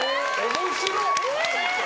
面白っ！